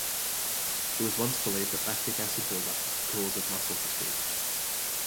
It was once believed that lactic acid build-up was the cause of muscle fatigue.